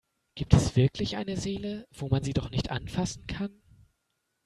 Gibt es wirklich eine Seele, wo man sie doch nicht anfassen kann?